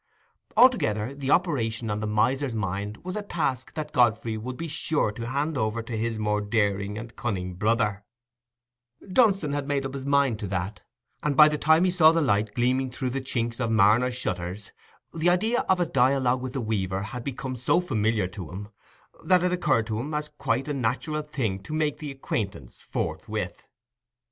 Altogether, the operation on the miser's mind was a task that Godfrey would be sure to hand over to his more daring and cunning brother: Dunstan had made up his mind to that; and by the time he saw the light gleaming through the chinks of Marner's shutters, the idea of a dialogue with the weaver had become so familiar to him, that it occurred to him as quite a natural thing to make the acquaintance forthwith.